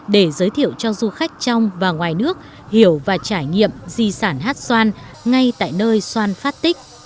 để giới thiệu cho du khách trong và ngoài nước hiểu và trải nghiệm di sản hát xoan ngay tại nơi xoan phát tích